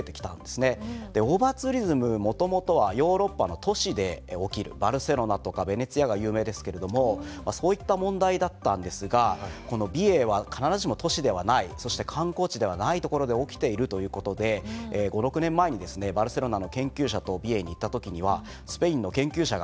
オーバーツーリズムもともとはヨーロッパの都市で起きるバルセロナとかベネチアが有名ですけれどもそういった問題だったんですがこの美瑛は必ずしも都市ではないそして観光地ではないところで起きているということで５６年前にバルセロナの研究者と美瑛に行った時にはスペインの研究者が非常に驚いていました。